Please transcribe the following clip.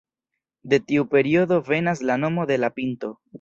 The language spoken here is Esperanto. De tiu periodo venas la nomo de la pinto.